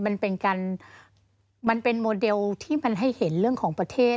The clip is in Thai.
มันเป็นการมันเป็นโมเดลที่มันให้เห็นเรื่องของประเทศ